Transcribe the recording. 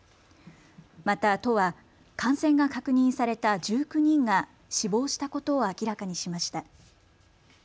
また都は感染が確認された１９人が死亡したことを明らかにしました。